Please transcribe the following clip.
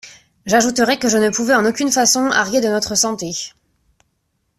J'ajouterai que je ne pouvais en aucune façon arguer de notre santé.